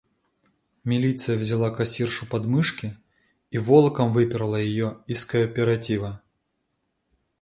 Милиция взяла кассиршу под мышки и волоком выперла её из кооператива.